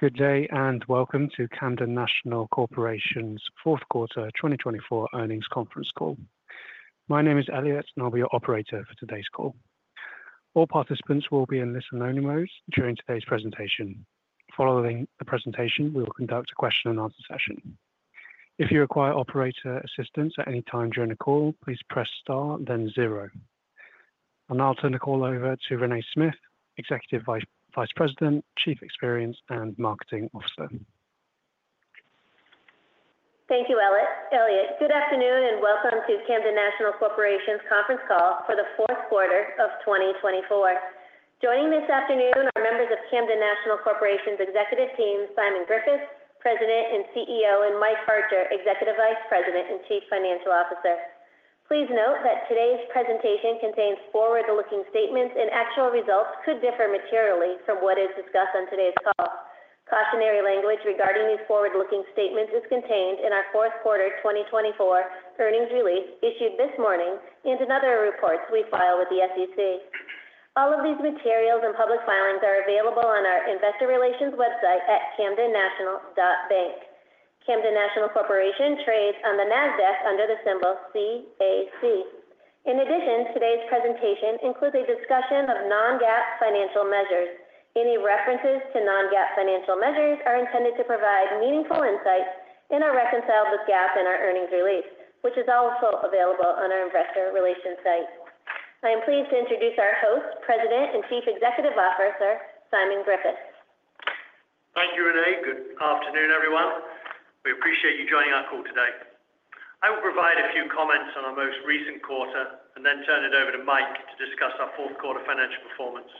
Good day and welcome to Camden National Corporation's Fourth Quarter 2024 Earnings Conference Call. My name is Elliott, and I'll be your operator for today's call. All participants will be in listen-only mode during today's presentation. Following the presentation, we will conduct a question-and-answer session. If you require operator assistance at any time during the call, please press star, then zero, and I'll turn the call over to Renée Smyth, Executive Vice President, Chief Experience and Marketing Officer. Thank you, Elliott. Good afternoon and welcome to Camden National Corporation's conference call for the fourth quarter of 2024. Joining this afternoon are members of Camden National Corporation's Executive Team, Simon Griffiths, President and CEO, and Mike Archer, Executive Vice President and Chief Financial Officer. Please note that today's presentation contains forward-looking statements, and actual results could differ materially from what is discussed on today's call. Cautionary language regarding these forward-looking statements is contained in our fourth quarter 2024 earnings release issued this morning and in other reports we file with the SEC. All of these materials and public filings are available on our Investor Relations website at camdennational.bank. Camden National Corporation trades on the Nasdaq under the symbol CAC. In addition, today's presentation includes a discussion of non-GAAP financial measures. Any references to non-GAAP financial measures are intended to provide meaningful insights and are reconciled with GAAP in our earnings release, which is also available on our Investor Relations site. I am pleased to introduce our host, President and Chief Executive Officer, Simon Griffiths. Thank you, Renée. Good afternoon, everyone. We appreciate you joining our call today. I will provide a few comments on our most recent quarter and then turn it over to Mike to discuss our Fourth Quarter financial performance.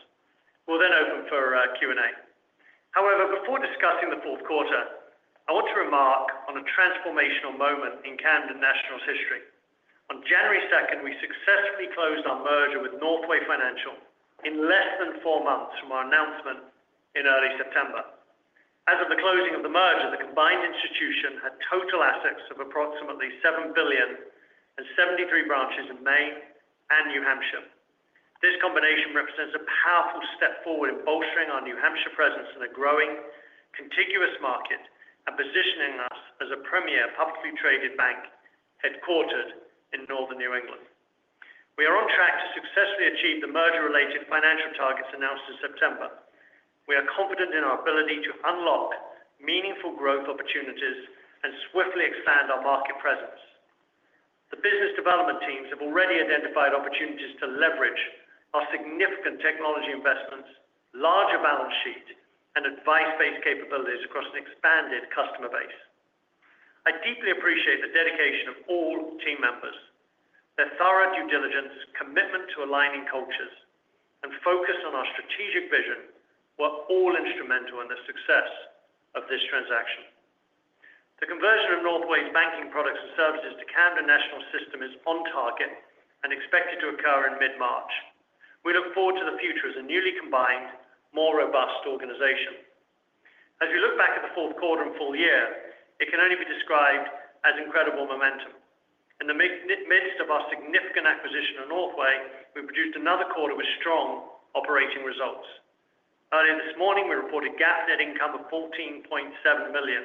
We'll then open for Q&A. However, before discussing the Fourth Quarter, I want to remark on a transformational moment in Camden National's history. On January 2nd, we successfully closed our merger with Northway Financial in less than four months from our announcement in early September. As of the closing of the merger, the combined institution had total assets of approximately $7 billion and 73 branches in Maine and New Hampshire. This combination represents a powerful step forward in bolstering our New Hampshire presence in a growing, contiguous market and positioning us as a premier publicly traded bank headquartered in northern New England. We are on track to successfully achieve the merger-related financial targets announced in September. We are confident in our ability to unlock meaningful growth opportunities and swiftly expand our market presence. The business development teams have already identified opportunities to leverage our significant technology investments, larger balance sheet, and advice-based capabilities across an expanded customer base. I deeply appreciate the dedication of all team members. Their thorough due diligence, commitment to aligning cultures, and focus on our strategic vision were all instrumental in the success of this transaction. The conversion of Northway's banking products and services to Camden National's system is on target and expected to occur in mid-March. We look forward to the future as a newly combined, more robust organization. As we look back at the Fourth Quarter and full year, it can only be described as incredible momentum. In the midst of our significant acquisition of Northway, we produced another quarter with strong operating results. Earlier this morning, we reported GAAP net income of $14.7 million,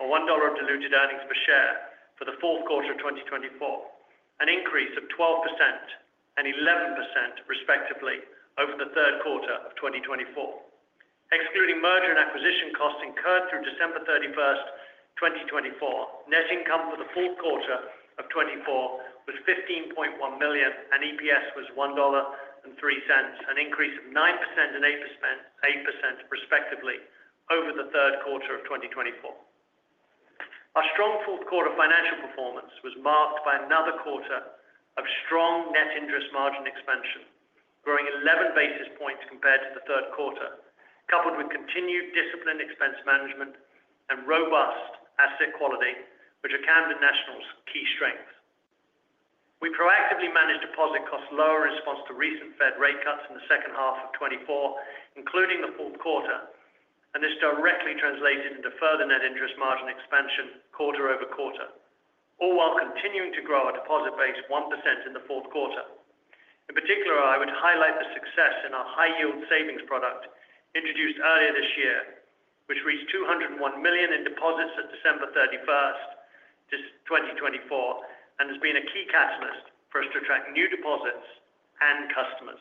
or $1 of diluted earnings per share for the Fourth Quarter of 2024, an increase of 12% and 11%, respectively, over the Third Quarter of 2024. Excluding merger and acquisition costs incurred through December 31st, 2024, net income for the Fourth Quarter of 2024 was $15.1 million, and EPS was $1.03, an increase of 9% and 8%, respectively, over the Third Quarter of 2024. Our strong Fourth Quarter financial performance was marked by another quarter of strong net interest margin expansion, growing 11 basis points compared to the Third Quarter, coupled with continued disciplined expense management and robust asset quality, which are Camden National's key strengths. We proactively managed deposit costs lower in response to recent Fed rate cuts in the second half of 2024, including the Fourth Quarter, and this directly translated into further net interest margin expansion quarter over quarter, all while continuing to grow our deposit base one% in the Fourth Quarter. In particular, I would highlight the success in our high-yield savings product introduced earlier this year, which reached $201 million in deposits at December 31st, 2024, and has been a key catalyst for us to attract new deposits and customers.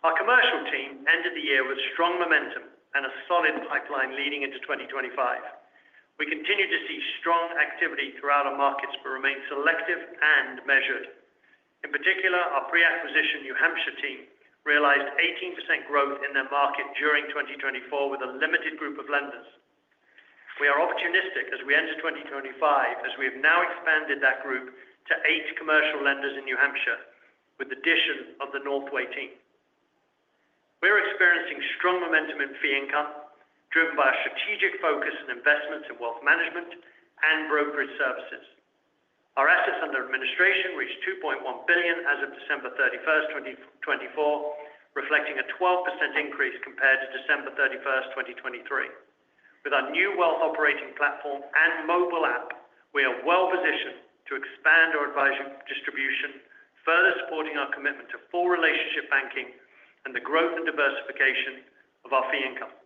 Our commercial team ended the year with strong momentum and a solid pipeline leading into 2025. We continue to see strong activity throughout our markets but remain selective and measured. In particular, our pre-acquisition New Hampshire team realized 18% growth in their market during 2024 with a limited group of lenders. We are opportunistic as we enter 2025, as we have now expanded that group to eight commercial lenders in New Hampshire with the addition of the Northway team. We are experiencing strong momentum in fee income driven by our strategic focus and investments in wealth management and brokerage services. Our assets under administration reached $2.1 billion as of December 31st, 2024, reflecting a 12% increase compared to December 31st, 2023. With our new wealth operating platform and mobile app, we are well positioned to expand our advisory distribution, further supporting our commitment to full relationship banking and the growth and diversification of our fee income.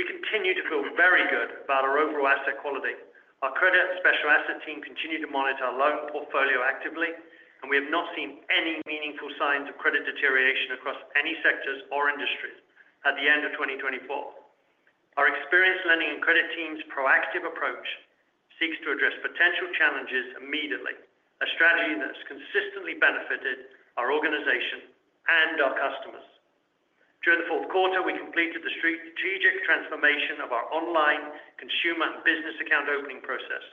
We continue to feel very good about our overall asset quality. Our credit and special asset team continue to monitor our loan portfolio actively, and we have not seen any meaningful signs of credit deterioration across any sectors or industries at the end of 2024. Our experienced lending and credit team's proactive approach seeks to address potential challenges immediately, a strategy that has consistently benefited our organization and our customers. During the Fourth Quarter, we completed the strategic transformation of our online consumer and business account opening process.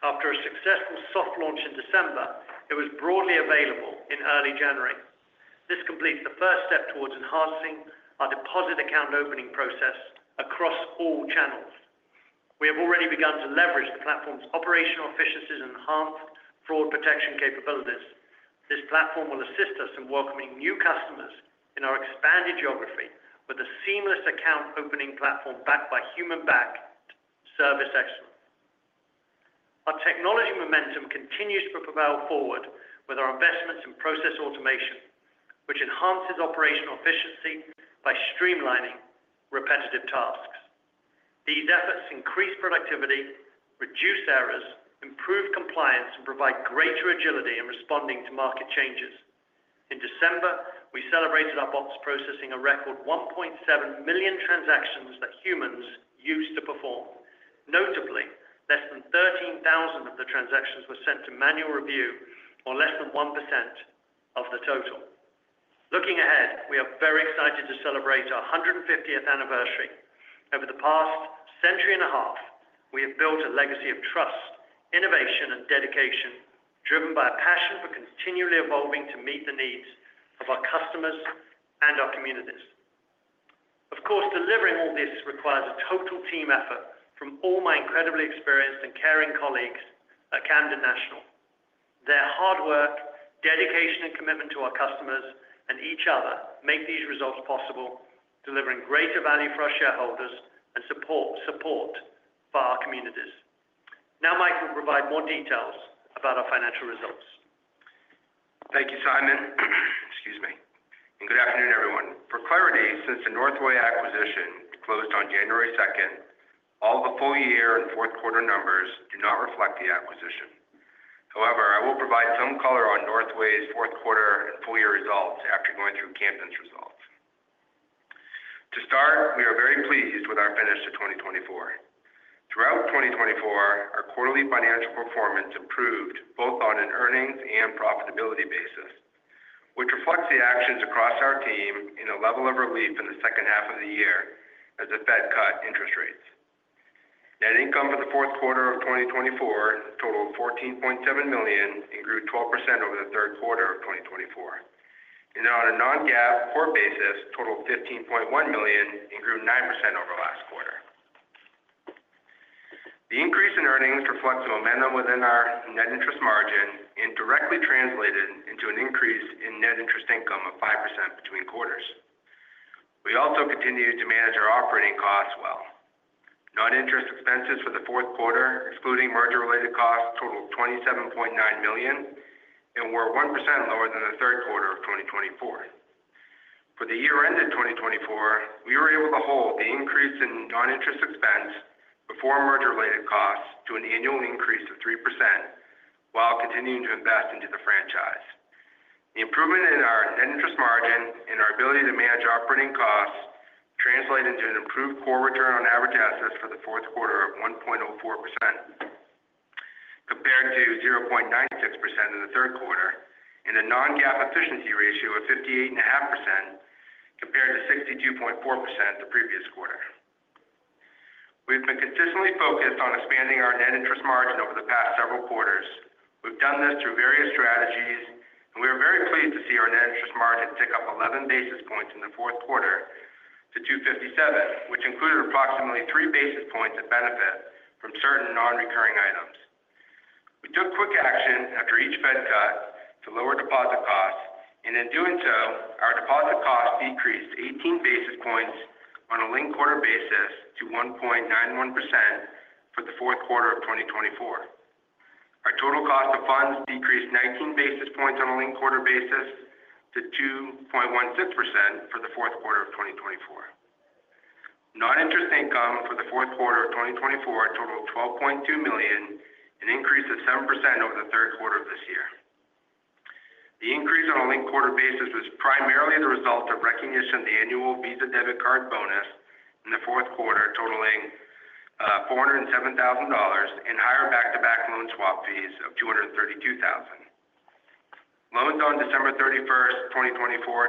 After a successful soft launch in December, it was broadly available in early January. This completes the first step towards enhancing our deposit account opening process across all channels. We have already begun to leverage the platform's operational efficiencies and enhanced fraud protection capabilities. This platform will assist us in welcoming new customers in our expanded geography with a seamless account opening platform backed by human-backed service excellence. Our technology momentum continues to propel forward with our investments in process automation, which enhances operational efficiency by streamlining repetitive tasks. These efforts increase productivity, reduce errors, improve compliance, and provide greater agility in responding to market changes. In December, we celebrated our bot processing a record 1.7 million transactions that humans used to perform. Notably, less than 13,000 of the transactions were sent to manual review, or less than 1% of the total. Looking ahead, we are very excited to celebrate our 150th anniversary. Over the past century and a half, we have built a legacy of trust, innovation, and dedication driven by a passion for continually evolving to meet the needs of our customers and our communities. Of course, delivering all this requires a total team effort from all my incredibly experienced and caring colleagues at Camden National. Their hard work, dedication, and commitment to our customers and each other make these results possible, delivering greater value for our shareholders and support for our communities. Now, Mike will provide more details about our financial results. Thank you, Simon. Excuse me. And good afternoon, everyone. For clarity, since the Northway acquisition closed on January 2nd, all the full year and Fourth Quarter numbers do not reflect the acquisition. However, I will provide some color on Northway's Fourth Quarter and full year results after going through Camden's results. To start, we are very pleased with our finish of 2024. Throughout 2024, our quarterly financial performance improved both on an earnings and profitability basis, which reflects the actions across our team in a level of relief in the second half of the year as the Fed cut interest rates. Net income for the Fourth Quarter of 2024 totaled $14.7 million and grew 12% over the Third Quarter of 2024, and on a non-GAAP, core basis, totaled $15.1 million and grew 9% over last quarter. The increase in earnings reflects the momentum within our net interest margin and directly translated into an increase in net interest income of 5% between quarters. We also continue to manage our operating costs well. Non-interest expenses for the Fourth Quarter, excluding merger-related costs, totaled $27.9 million and were 1% lower than the Third Quarter of 2024. For the year-end of 2024, we were able to hold the increase in non-interest expense before merger-related costs to an annual increase of 3% while continuing to invest into the franchise. The improvement in our net interest margin and our ability to manage operating costs translated into an improved core return on average assets for the Fourth Quarter of 1.04%, compared to 0.96% in the Third Quarter, and a non-GAAP efficiency ratio of 58.5%, compared to 62.4% the previous quarter. We've been consistently focused on expanding our net interest margin over the past several quarters. We've done this through various strategies, and we are very pleased to see our net interest margin tick up 11 basis points in the Fourth Quarter to 2.57%, which included approximately 3 basis points of benefit from certain non-recurring items. We took quick action after each Fed cut to lower deposit costs, and in doing so, our deposit costs decreased 18 basis points on a linked quarter basis to 1.91% for the Fourth Quarter of 2024. Our total cost of funds decreased 19 basis points on a linked quarter basis to 2.16% for the Fourth Quarter of 2024. Non-interest income for the Fourth Quarter of 2024 totaled $12.2 million, an increase of 7% over the Third Quarter of this year. The increase on a linked quarter basis was primarily the result of recognition of the annual Visa debit card bonus in the Fourth Quarter, totaling $407,000, and higher back-to-back loan swap fees of $232,000. Loans on December 31st, 2024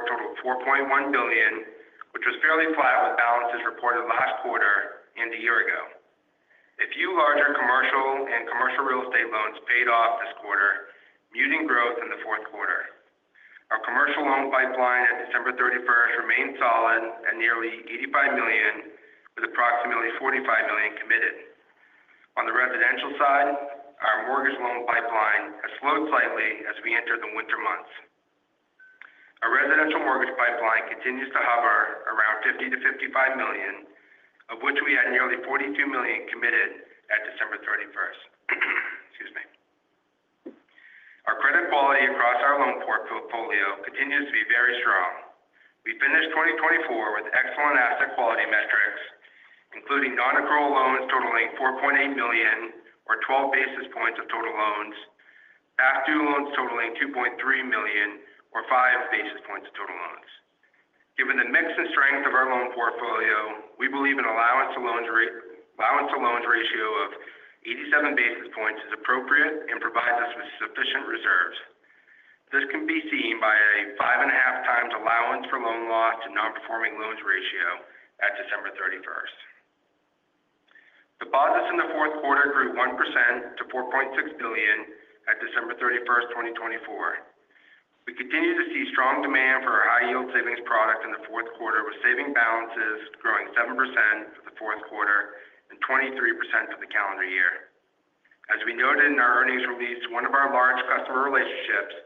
totaled $4.1 billion, which was fairly flat with balances reported last quarter and the year ago. A few larger commercial and commercial real estate loans paid off this quarter, muting growth in the Fourth Quarter. Our commercial loan pipeline at December 31st remained solid at nearly $85 million, with approximately $45 million committed. On the residential side, our mortgage loan pipeline has slowed slightly as we enter the winter months. Our residential mortgage pipeline continues to hover around $50-$55 million, of which we had nearly $42 million committed at December 31st. Excuse me. Our credit quality across our loan portfolio continues to be very strong. We finished 2024 with excellent asset quality metrics, including non-accrual loans totaling $4.8 million, or 12 basis points of total loans, past due loans totaling $2.3 million, or 5 basis points of total loans. Given the mix and strength of our loan portfolio, we believe an allowance to loans ratio of 87 basis points is appropriate and provides us with sufficient reserves. This can be seen by a 5.5 times allowance for loan loss to non-performing loans ratio at December 31st. Deposits in the Fourth Quarter grew 1% to $4.6 billion at December 31st, 2024. We continue to see strong demand for our high-yield savings product in the Fourth Quarter, with savings balances growing 7% for the Fourth Quarter and 23% for the calendar year. As we noted in our earnings release, one of our large customer relationships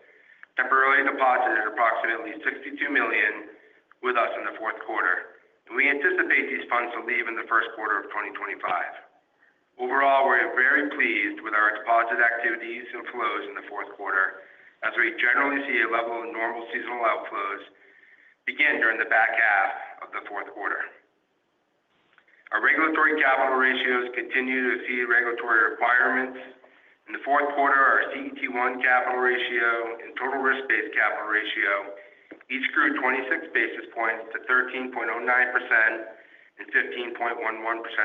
temporarily deposited approximately $62 million with us in the Fourth Quarter, and we anticipate these funds to leave in the First Quarter of 2025. Overall, we're very pleased with our deposit activities and flows in the Fourth Quarter, as we generally see a level of normal seasonal outflows begin during the back half of the Fourth Quarter. Our regulatory capital ratios continue to exceed regulatory requirements. In the Fourth Quarter, our CET1 capital ratio and total risk-based capital ratio each grew 26 basis points to 13.09% and 15.11%,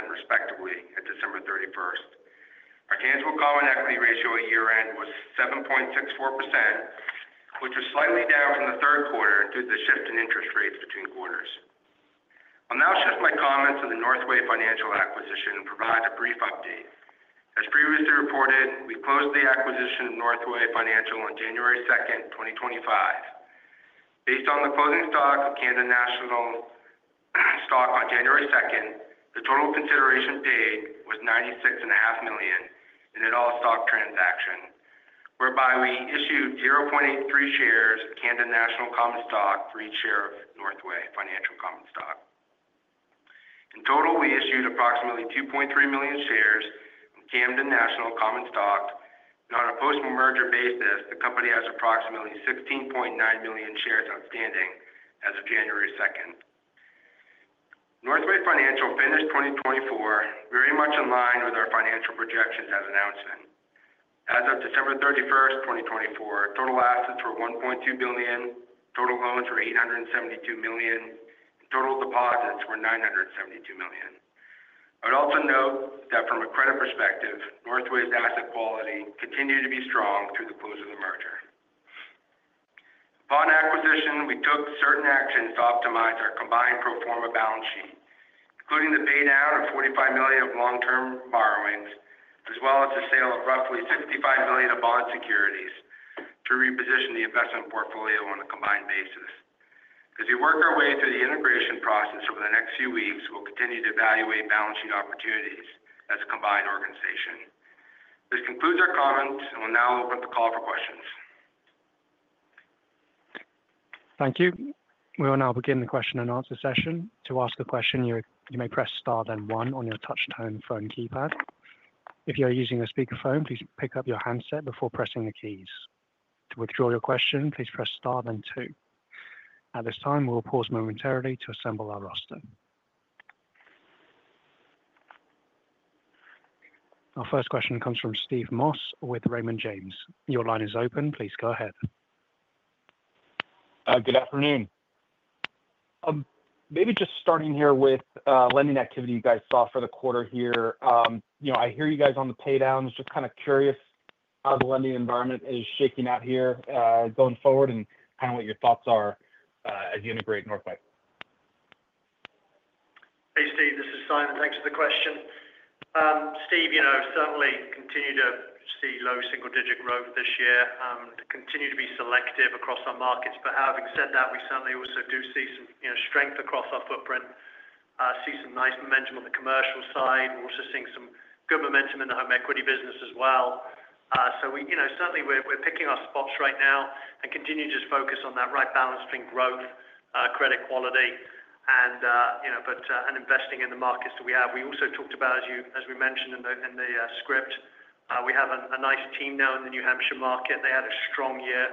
respectively, at December 31st. Our tangible common equity ratio at year-end was 7.64%, which was slightly down from the Third Quarter due to the shift in interest rates between quarters. I'll now shift my comments to the Northway Financial acquisition and provide a brief update. As previously reported, we closed the acquisition of Northway Financial on January 2nd, 2025. Based on the closing stock of Camden National stock on January 2nd, the total consideration paid was $96.5 million in an all-stock transaction, whereby we issued 0.83 shares of Camden National Common Stock for each share of Northway Financial Common Stock. In total, we issued approximately 2.3 million shares of Camden National Common Stock, and on a post-merger basis, the company has approximately 16.9 million shares outstanding as of January 2nd. Northway Financial finished 2024 very much in line with our financial projections as announced. As of December 31st, 2024, total assets were $1.2 billion, total loans were $872 million, and total deposits were $972 million. I would also note that from a credit perspective, Northway's asset quality continued to be strong through the close of the merger. Upon acquisition, we took certain actions to optimize our combined pro forma balance sheet, including the paydown of $45 million of long-term borrowings, as well as the sale of roughly $65 million of bond securities to reposition the investment portfolio on a combined basis. As we work our way through the integration process over the next few weeks, we'll continue to evaluate balance sheet opportunities as a combined organization. This concludes our comments, and we'll now open up the call for questions. Thank you. We will now begin the question and answer session. To ask a question, you may press Star then One on your touch-tone phone keypad. If you are using a speakerphone, please pick up your handset before pressing the keys. To withdraw your question, please press Star then Two. At this time, we will pause momentarily to assemble our roster. Our first question comes from Steve Moss with Raymond James. Your line is open. Please go ahead. Good afternoon. Maybe just starting here with lending activity you guys saw for the quarter here. I hear you guys on the paydowns. Just kind of curious how the lending environment is shaking out here going forward and kind of what your thoughts are as you integrate Northway. Hey, Steve. This is Simon. Thanks for the question. Steve, you know, certainly continue to see low single-digit growth this year, continue to be selective across our markets. But having said that, we certainly also do see some strength across our footprint, see some nice momentum on the commercial side. We're also seeing some good momentum in the home equity business as well. So certainly, we're picking our spots right now and continue to just focus on that right balance between growth, credit quality, and investing in the markets that we have. We also talked about, as we mentioned in the script, we have a nice team now in the New Hampshire market. They had a strong year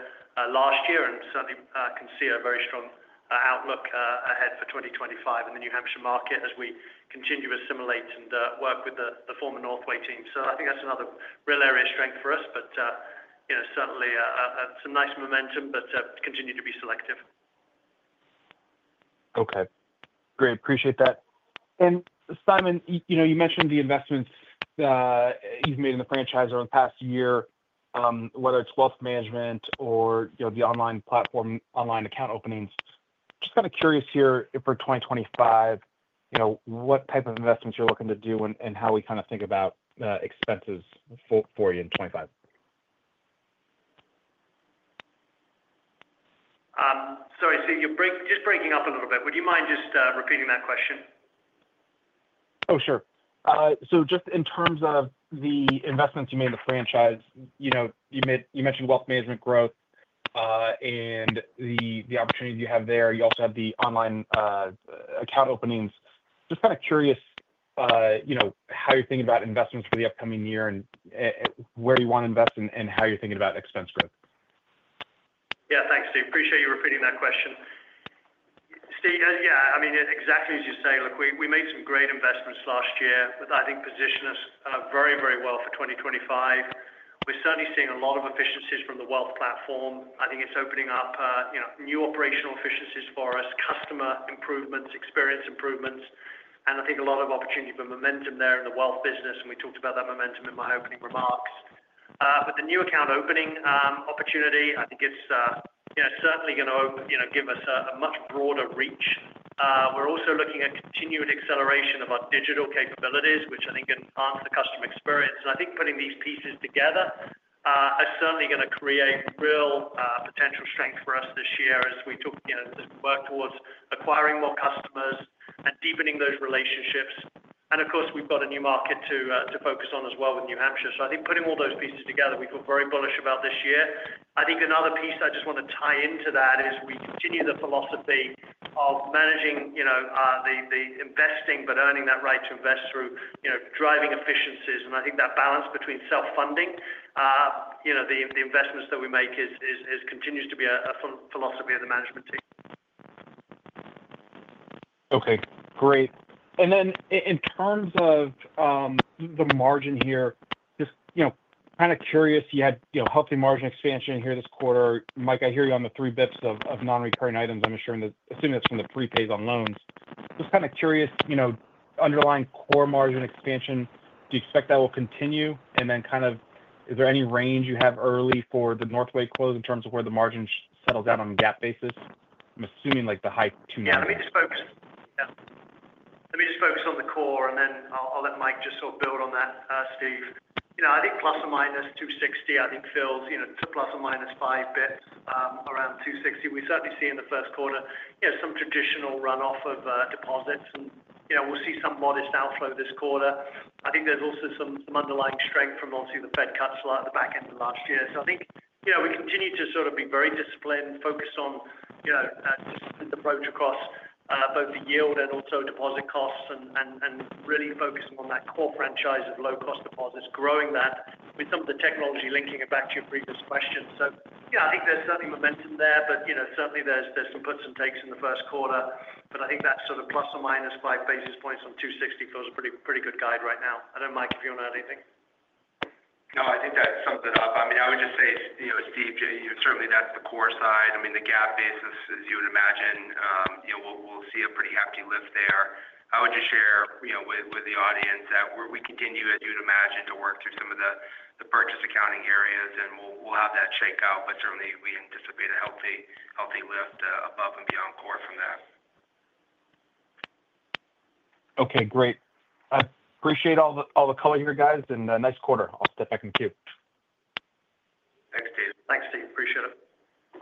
last year and certainly can see a very strong outlook ahead for 2025 in the New Hampshire market as we continue to assimilate and work with the former Northway team. So I think that's another real area of strength for us, but certainly some nice momentum, but continue to be selective. Okay. Great. Appreciate that, and Simon, you mentioned the investments you've made in the franchise over the past year, whether it's wealth management or the online platform, online account openings. Just kind of curious here for 2025, what type of investments you're looking to do and how we kind of think about expenses for you in 2025? Sorry, Steve, you're just breaking up a little bit. Would you mind just repeating that question? Oh, sure. So just in terms of the investments you made in the franchise, you mentioned wealth management growth and the opportunities you have there. You also have the online account openings. Just kind of curious how you're thinking about investments for the upcoming year and where you want to invest and how you're thinking about expense growth. Yeah. Thanks, Steve. Appreciate you repeating that question. Steve, yeah, I mean, exactly as you say, look, we made some great investments last year that I think position us very, very well for 2025. We're certainly seeing a lot of efficiencies from the wealth platform. I think it's opening up new operational efficiencies for us, customer improvements, experience improvements, and I think a lot of opportunity for momentum there in the wealth business, and we talked about that momentum in my opening remarks, but the new account opening opportunity, I think it's certainly going to give us a much broader reach. We're also looking at continued acceleration of our digital capabilities, which I think enhance the customer experience. And I think putting these pieces together is certainly going to create real potential strength for us this year as we work towards acquiring more customers and deepening those relationships. And of course, we've got a new market to focus on as well with New Hampshire. So I think putting all those pieces together, we feel very bullish about this year. I think another piece I just want to tie into that is we continue the philosophy of managing the investing, but earning that right to invest through driving efficiencies. And I think that balance between self-funding, the investments that we make continues to be a philosophy of the management team. Okay. Great. And then in terms of the margin here, just kind of curious, you had healthy margin expansion here this quarter. Mike, I hear you on the three basis points of non-recurring items. I'm assuming that's from the prepays on loans. Just kind of curious, underlying core margin expansion, do you expect that will continue? And then kind of is there any range you have early for the Northway close in terms of where the margin settles out on a GAAP basis? I'm assuming the high two-month. Yeah. Let me just focus on the core, and then I'll let Mike just sort of build on that, Steve. I think plus or minus $260, I think fills to plus or minus five basis points around $260. We certainly see in the first quarter some traditional runoff of deposits, and we'll see some modest outflow this quarter. I think there's also some underlying strength from obviously the Fed cuts a lot at the back end of last year. So I think we continue to sort of be very disciplined, focused on a disciplined approach across both the yield and also deposit costs, and really focusing on that core franchise of low-cost deposits, growing that with some of the technology linking it back to your previous question. So yeah, I think there's certainly momentum there, but certainly there's some puts and takes in the first quarter. But I think that sort of plus or minus five basis points on $260 feels a pretty good guide right now. I don't know, Mike, if you want to add anything? No, I think that sums it up. I mean, I would just say, Steve, certainly that's the core side. I mean, the GAAP basis, as you would imagine, we'll see a pretty hefty lift there. I would just share with the audience that we continue, as you'd imagine, to work through some of the purchase accounting areas, and we'll have that shakeout, but certainly we anticipate a healthy lift above and beyond core from that. Okay. Great. I appreciate all the color here, guys, and nice quarter. I'll step back to you. Thanks, Steve. Thanks, Steve. Appreciate it.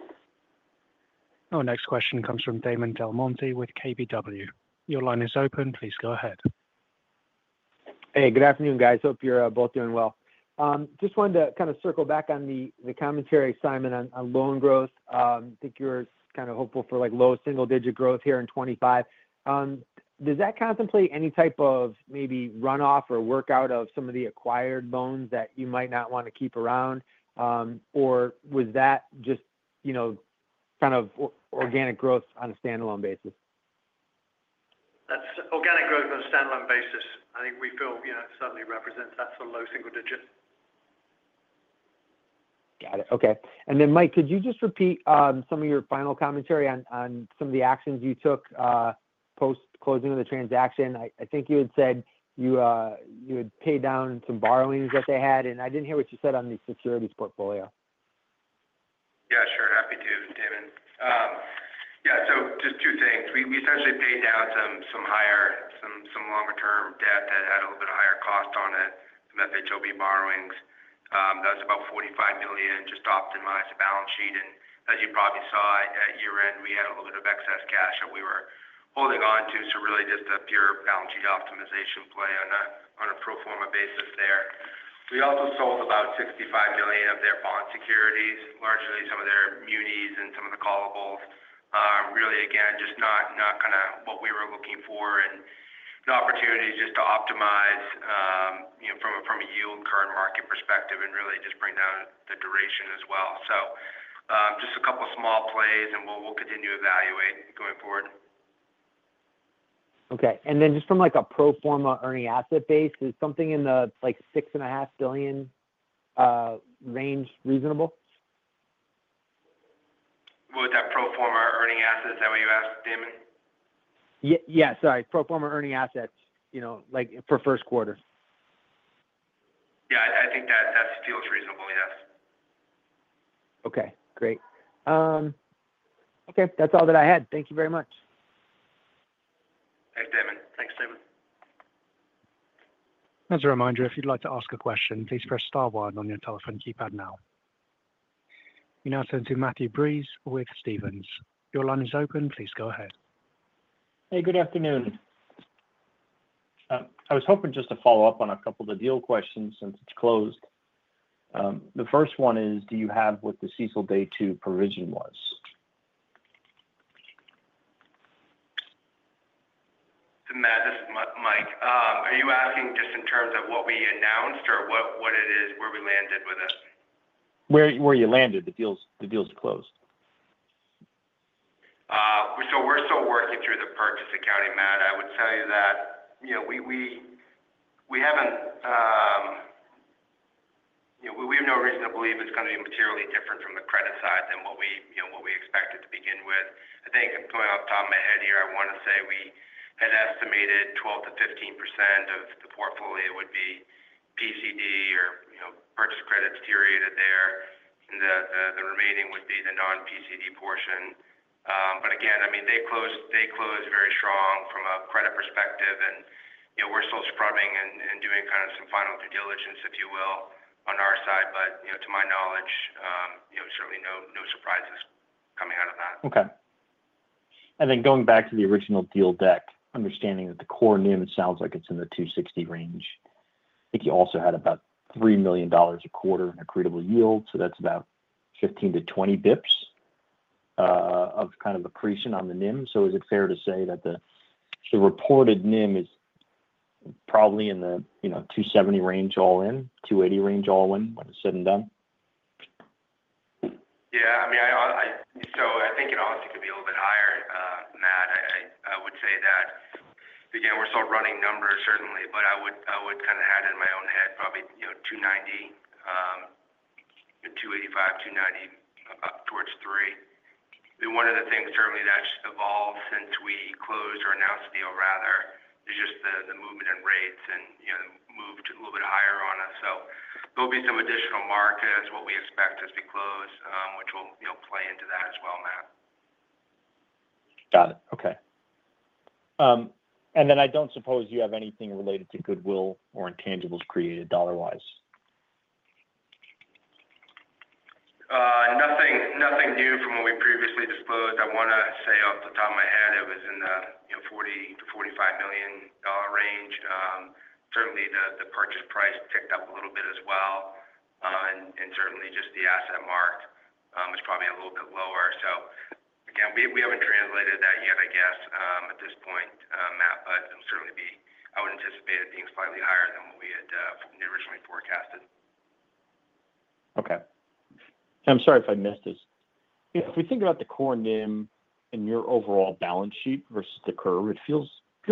Our next question comes from Damon DelMonte with KBW. Your line is open. Please go ahead. Hey, good afternoon, guys. Hope you're both doing well. Just wanted to kind of circle back on the commentary, Simon, on loan growth. I think you were kind of hopeful for low single-digit growth here in 2025. Does that contemplate any type of maybe runoff or workout of some of the acquired loans that you might not want to keep around, or was that just kind of organic growth on a standalone basis? That's organic growth on a standalone basis. I think we feel it certainly represents that sort of low single digit. Got it. Okay. And then, Mike, could you just repeat some of your final commentary on some of the actions you took post-closing of the transaction? I think you had said you had paid down some borrowings that they had, and I didn't hear what you said on the securities portfolio. Yeah, sure. Happy to, Damon. Yeah. So just two things. We essentially paid down some longer-term debt that had a little bit of higher cost on it, some FHLB borrowings. That was about $45 million, just optimized the balance sheet, and as you probably saw at year-end, we had a little bit of excess cash that we were holding on to, so really just a pure balance sheet optimization play on a pro forma basis there. We also sold about $65 million of their bond securities, largely some of their munis and some of the callables. Really, again, just not kind of what we were looking for and an opportunity just to optimize from a yield curve market perspective and really just bring down the duration as well. So just a couple of small plays, and we'll continue to evaluate going forward. Okay. And then just from a pro forma earning asset base, is something in the $6.5 billion range reasonable? What was that pro forma earning assets? Is that what you asked, Damon? Yeah. Sorry. Pro forma earning assets for First Quarter. Yeah. I think that feels reasonable. Yes. Okay. Great. Okay. That's all that I had. Thank you very much. Thanks, Damon. Thanks, Steve. As a reminder, if you'd like to ask a question, please press Star 1 on your telephone keypad now. We now turn to Matthew Breeze with Stephens. Your line is open. Please go ahead. Hey, good afternoon. I was hoping just to follow up on a couple of the deal questions since it's closed. The first one is, do you have what the CECL Day 2 provision was? This is Mike. Are you asking just in terms of what we announced or what it is, where we landed with it? Where you landed the deals closed. So we're still working through the purchase accounting, Matt. I would tell you that we haven't, we have no reason to believe it's going to be materially different from the credit side than what we expected to begin with. I think going off the top of my head here, I want to say we had estimated 12%-15% of the portfolio would be PCD or purchase credit deteriorated there. The remaining would be the non-PCD portion. But again, I mean, they closed very strong from a credit perspective, and we're still scrubbing and doing kind of some final due diligence, if you will, on our side. But to my knowledge, certainly no surprises coming out of that. Okay. And then going back to the original deal deck, understanding that the core NIM sounds like it's in the 260 range. I think you also had about $3 million a quarter in accretable yield, so that's about 15 to 20 basis points of kind of accretion on the NIM. So is it fair to say that the reported NIM is probably in the 270 range all-in, 280 range all-in when it's said and done? Yeah. I mean, so I think it honestly could be a little bit higher, Matt. I would say that, again, we're still running numbers, certainly, but I would kind of had in my own head probably $2.90, $2.85, $2.90, up towards $3. One of the things certainly that's evolved since we closed or announced the deal, rather, is just the movement in rates and moved a little bit higher on us. So there'll be some additional mark-to-market as what we expect as we close, which will play into that as well, Matt. Got it. Okay, and then I don't suppose you have anything related to goodwill or intangibles created dollar-wise? Nothing new from what we previously disclosed. I want to say off the top of my head, it was in the $40-$45 million range. Certainly, the purchase price ticked up a little bit as well, and certainly just the asset market is probably a little bit lower. So again, we haven't translated that yet, I guess, at this point, Matt, but I would anticipate it being slightly higher than what we had originally forecasted. Okay. I'm sorry if I missed this. If we think about the core NIM and your overall balance sheet versus the curve, it feels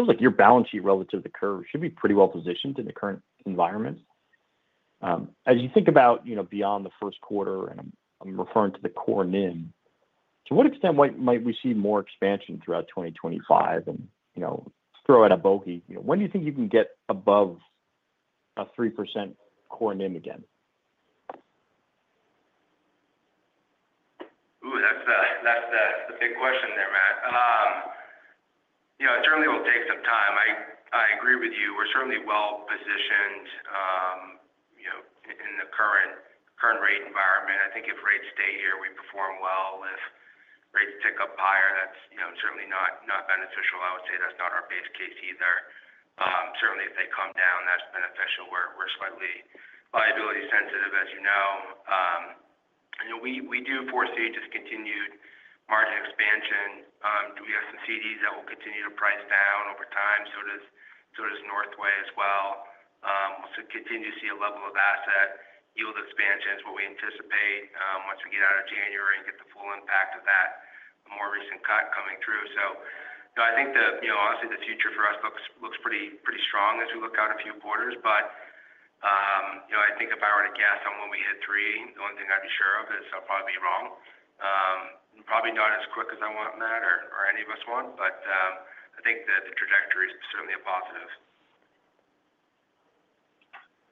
like your balance sheet relative to the curve should be pretty well positioned in the current environment. As you think about beyond the first quarter, and I'm referring to the core NIM, to what extent might we see more expansion throughout 2025? And throw out a bogey, when do you think you can get above a 3% core NIM again? Ooh, that's the big question there, Matt. It certainly will take some time. I agree with you. We're certainly well positioned in the current rate environment. I think if rates stay here, we perform well. If rates tick up higher, that's certainly not beneficial. I would say that's not our base case either. Certainly, if they come down, that's beneficial. We're slightly liability sensitive, as you know. We do foresee just continued margin expansion. We have some CDs that will continue to price down over time, so does Northway as well. We'll continue to see a level of asset yield expansion is what we anticipate once we get out of January and get the full impact of that more recent cut coming through. So I think, honestly, the future for us looks pretty strong as we look out a few quarters. But I think if I were to guess on when we hit three, the only thing I'd be sure of is I'll probably be wrong. Probably not as quick as I want, Matt, or any of us want, but I think the trajectory is certainly a positive.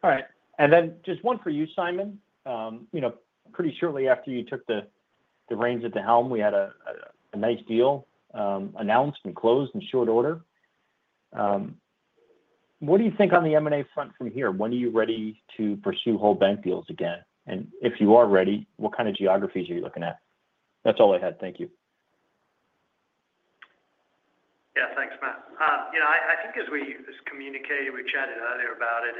All right. And then just one for you, Simon. Pretty shortly after you took the reins at the helm, we had a nice deal announced and closed in short order. What do you think on the M&A front from here? When are you ready to pursue whole bank deals again? And if you are ready, what kind of geographies are you looking at? That's all I had. Thank you. Yeah. Thanks, Matt. I think as we communicated, we chatted earlier about it,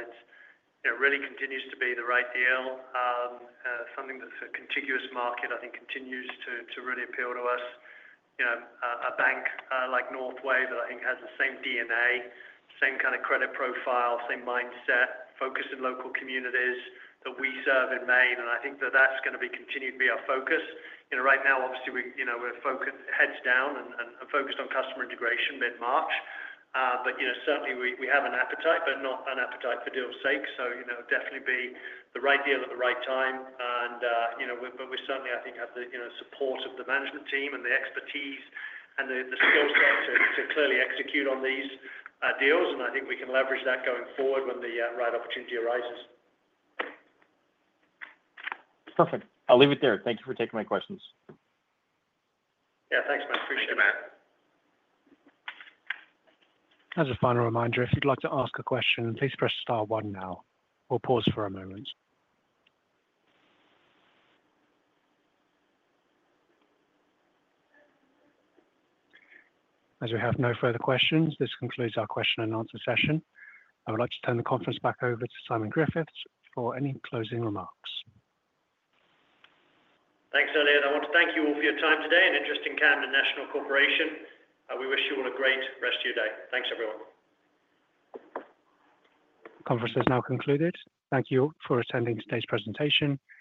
it really continues to be the right deal. Something that's a contiguous market, I think, continues to really appeal to us. A bank like Northway that I think has the same DNA, same kind of credit profile, same mindset, focused in local communities that we serve in Maine, and I think that that's going to continue to be our focus. Right now, obviously, we're heads down and focused on customer integration mid-March, but certainly, we have an appetite, but not an appetite for deal sake, so definitely be the right deal at the right time, but we certainly, I think, have the support of the management team and the expertise and the skill set to clearly execute on these deals. And I think we can leverage that going forward when the right opportunity arises. Perfect. I'll leave it there. Thank you for taking my questions. Yeah. Thanks, Matt. Appreciate it. Thank you, Matt. As a final reminder, if you'd like to ask a question, please press Star 1 now. We'll pause for a moment. As we have no further questions, this concludes our question and answer session. I would like to turn the conference back over to Simon Griffiths for any closing remarks. Thanks, Elliott. I want to thank you all for your time today and interest in Camden National Corporation. We wish you all a great rest of your day. Thanks, everyone. The conference has now concluded. Thank you for attending today's presentation. You.